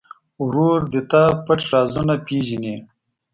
ورور د تا پټ رازونه پېژني.